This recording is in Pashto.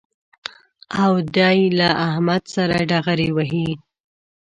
او دی له احمد سره ډغرې وهي